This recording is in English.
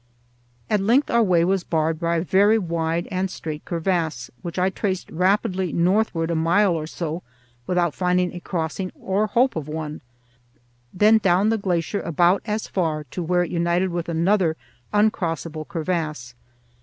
At length our way was barred by a very wide and straight crevasse, which I traced rapidly northward a mile or so without finding a crossing or hope of one; then down the glacier about as far, to where it united with another uncrossable crevasse.